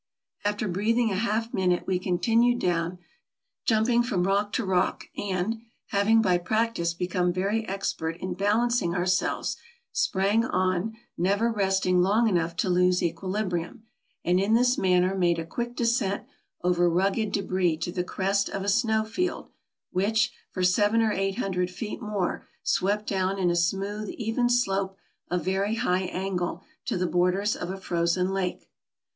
After breathing a half minute we continued down, jump ing from rock to rock, and, having by practice become very expert in balancing ourselves, sprang on, never resting long enough to lose equilibrium, and in this manner made a quick descent over rugged debris to the crest of a snow field, which, for seven or eight hundred feet more, swept down in a smooth, even slope, of very high angle, to the borders of a frozen lake.